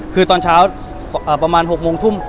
คือตอนเช้าประมาณ๖โมงทุ่ม